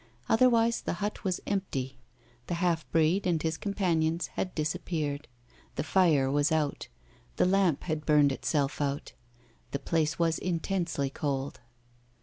Otherwise the hut was empty. The half breed and his companions had disappeared. The fire was out. The lamp had burned itself out. The place was intensely cold.